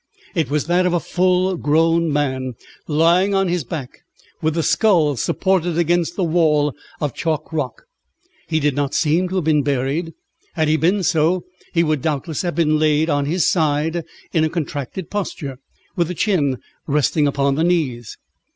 It was that of a full grown man, lying on his back, with the skull supported against the wall of chalk rock. He did not seem to have been buried. Had he been so, he would doubtless have been laid on his side in a contracted posture, with the chin resting on the knees.